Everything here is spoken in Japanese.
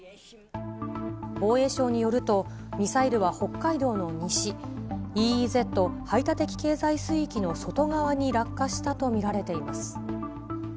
防衛省によると、ミサイルは北海道の西、ＥＥＺ・排他的経済水域の外側に落下したと見られています。